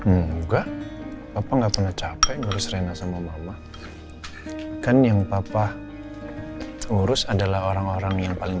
enggak apa enggak pernah capek ngurus rena sama mama kan yang papa urus adalah orang orang yang paling